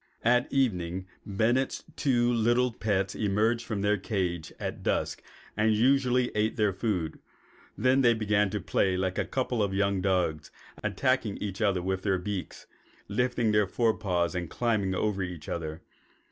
At evening Bennett's two little pets emerged from their cage at dusk and usually ate their food; then they began to play like a couple of young dogs, attacking each other with their beaks, lifting their fore paws and climbing over each other.